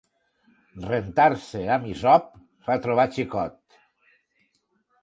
Rentar-se amb hisop fa trobar xicot.